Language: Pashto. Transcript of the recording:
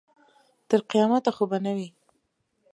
تر قیامته خو به نه وي.